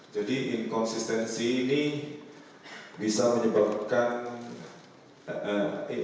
jadi inkonsistensi ini bisa menyebabkan